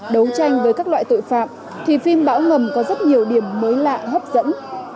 đấu tranh với các loại tội phạm thì phim bão ngầm có rất nhiều điểm mới lạ hấp dẫn